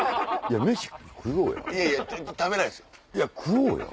いやいや食べないですよ。